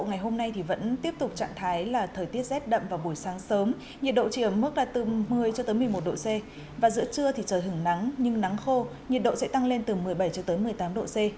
giữa trưa trời hứng nắng nhưng nắng khô nhiệt độ sẽ tăng lên từ một mươi bảy một mươi tám độ c